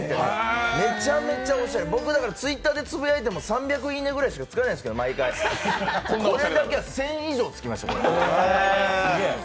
めちゃめちゃおしゃれ、僕Ｔｗｉｔｔｅｒでつぶやいても、３００いいね！ぐらいしか毎回つかないですけど、これだけは１０００以上つきましたよ。